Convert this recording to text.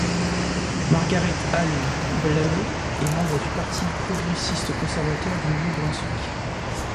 Margaret-Ann Blaney est membre du Parti progressiste-conservateur du Nouveau-Brunswick.